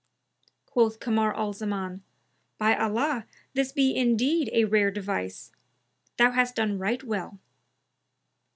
Quoth Kamar al Zaman, "By Allah, this be indeed a rare device! Thou hast done right well.''